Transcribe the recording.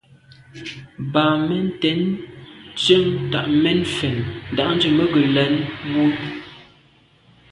Bǎmén cɛ̌n tsjə́ŋ tà’ mɛ̀n fɛ̀n ndǎʼndjʉ̂ mə́ gə̀ lɛ̌n wú.